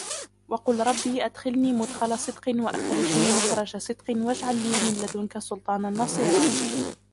وَقُلْ رَبِّ أَدْخِلْنِي مُدْخَلَ صِدْقٍ وَأَخْرِجْنِي مُخْرَجَ صِدْقٍ وَاجْعَلْ لِي مِنْ لَدُنْكَ سُلْطَانًا نَصِيرًا